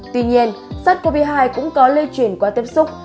tuy nhiên sars cov hai cũng có lây chuyển qua tiếp xúc